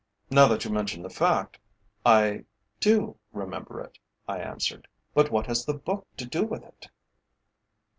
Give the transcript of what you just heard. "Now that you mention the fact I do remember it," I answered. "But what has the book to do with it?"